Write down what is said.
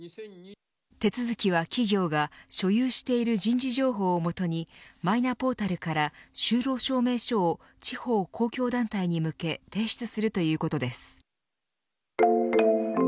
手続きは企業が所有している人事情報を基にマイナポータルから就労証明書を地方公共団体に向け提出するということです。